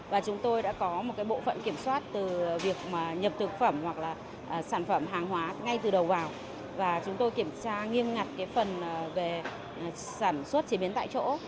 và chúng tôi kiểm tra nghiêm ngặt phần sản xuất chế biến tại chỗ